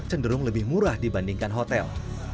cenderung lebih murah dibandingkan hotel